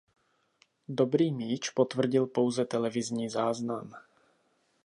Dobrý míč potvrdil pouze televizní záznam.